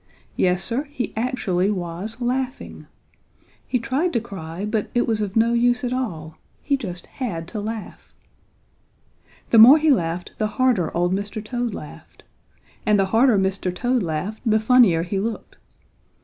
Yes, Sir, he actually was laughing. He tried to cry, but it was of no use at all; he just had to laugh. The more he laughed the harder old Mr. Toad laughed. And the harder Mr. Toad laughed the funnier he looked.